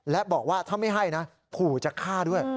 และบอกว่าถ้าไม่ให้นะขู่จะฆ่าด้วย